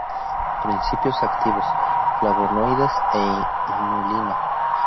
Principios activos: Flavonoides e inulina.